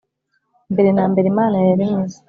Mbere na mbere imana yaremye isi